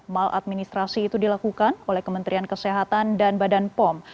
maladministrasi itu dilakukan oleh kementerian kesehatan dan badan pom